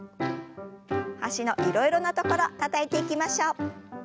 脚のいろいろな所たたいていきましょう。